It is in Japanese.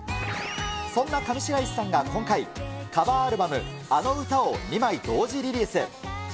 そんな上白石さんが今回、カバーアルバム、あの歌を２枚同時リリース。